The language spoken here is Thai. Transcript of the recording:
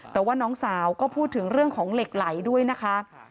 แต่ว่าน้องสาวก็พูดถึงเรื่องของเหล็กไหลด้วยนะคะ